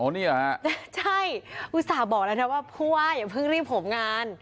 เนี่ยฮะใช่อุตส่าห์บอกแล้วนะว่าผู้ว่าอย่าเพิ่งรีบผมงาน